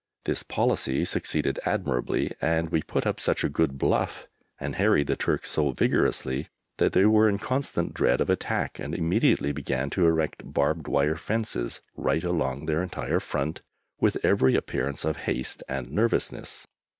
This policy succeeded admirably, and we put up such a good bluff, and harried the Turks so vigorously, that they were in constant dread of attack, and immediately began to erect barbed wire fences right along their entire front, with every appearance of haste and nervousness.